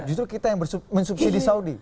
justru kita yang mensubsidi saudi